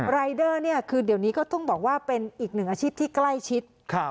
รายเดอร์เนี่ยคือเดี๋ยวนี้ก็ต้องบอกว่าเป็นอีกหนึ่งอาชีพที่ใกล้ชิด